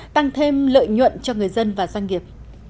tăng thêm lợi nhuận cho người dân và doanh nghiệp